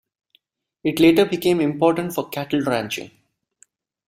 It later became important for cattle ranching.